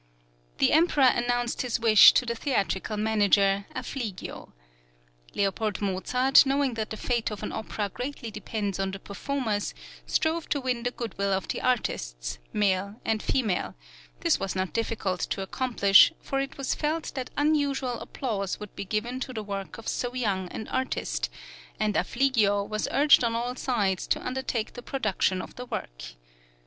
The Emperor announced his wish to the theatrical manager, Affligio. Leopold Mozart, knowing that the fate of an opera greatly depends on the performers, strove to win the goodwill of the artists, male and female; this was not difficult to accomplish, for it was felt that unusual applause would be given to the work of so young an artist, and Affligio was urged on all sides to undertake the production of the work.